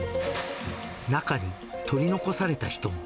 中に取り残された人も。